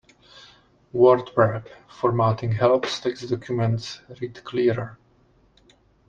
Word wrap formatting helps text documents read clearer.